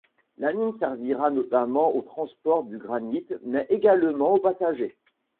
La ligne servira notamment au transport du granite mais également aux passagers.